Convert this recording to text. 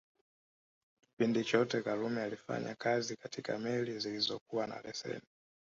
Kipindi chote Karume alifanya kazi katika meli zilizokuwa na leseni